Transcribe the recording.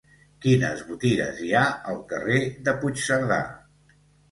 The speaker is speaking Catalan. Quines botigues hi ha al carrer de Puigcerdà?